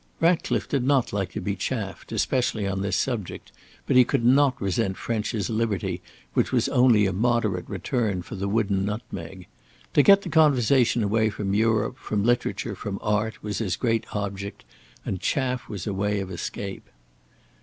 Ratcliffe did not like to be chaffed, especially on this subject, but he could not resent French's liberty which was only a moderate return for the wooden nutmeg. To get the conversation away from Europe, from literature, from art, was his great object, and chaff was a way of escape.